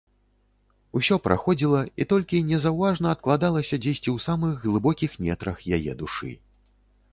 Усё праходзіла і толькі незаўважна адкладалася дзесьці ў самых глыбокіх нетрах яе душы.